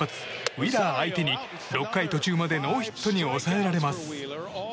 ウィーラー相手に６回途中までノーヒットに抑えられます。